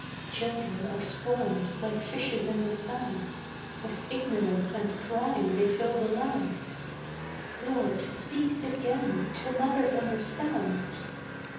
Children are spawned like fishes in the sand. With ignorance and crime they fill the land. Lord, speak again, till mothers understand.